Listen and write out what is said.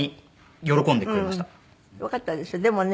よかったですよね。